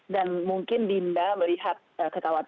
dan mungkin dinda melihat ketawakan